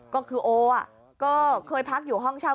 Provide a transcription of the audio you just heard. ก็คือโอก็เคยพักอยู่ห้องเช่า